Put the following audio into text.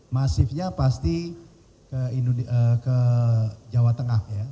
masifnya pasti ke jawa tengah ya